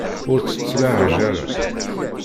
Ur tt-ttlaɛaj ara.